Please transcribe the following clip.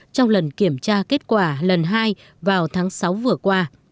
trong lần kiểm tra kết quả lần hai vào tháng sáu vừa qua